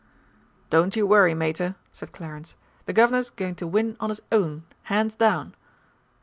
"Don't you worry, Mater," said Clarence. "The Guv'nor's going to win on his own, hands down!"